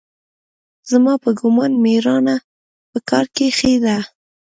زما په ګومان مېړانه په کار کښې ده.